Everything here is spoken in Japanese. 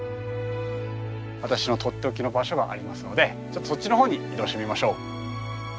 私のとっておきの場所がありますのでそっちの方に移動してみましょう。